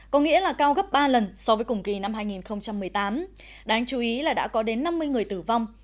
có nghĩa là cao gấp ba lần so với cùng kỳ năm hai nghìn một mươi tám đáng chú ý là đã có đến năm mươi người tử vong